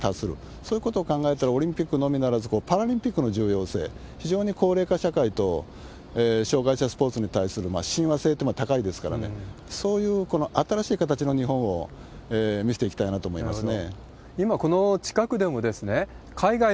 そういうことを考えたら、オリンピックのみならず、パラリンピックの重要性、非常に高齢化社会と障害者スポーツに対する親和性とも高いですから、そういう新しい形の日本を見せていきたいなと思いますね。